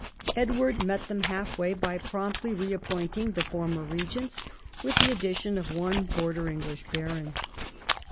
Edward met them half way by promptly reap pointing the former regents, with the addition of one border English baron.